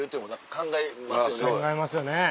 考えますよね。